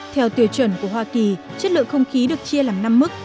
theo tiêu chuẩn của hoa kỳ chất lượng không khí được chia làm năm mức